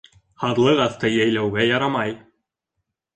Һаҙлыҡ аҫты йәйләүгә ярамай